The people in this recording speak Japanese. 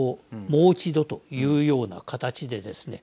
もう一度というような形でですね